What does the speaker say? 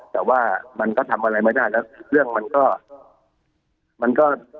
แต่ว่ามันก็ทำอะไรไม่ได้แล้วเรื่องมันก็มันก็